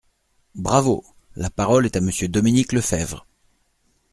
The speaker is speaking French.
Bravo ! La parole est à Monsieur Dominique Lefebvre.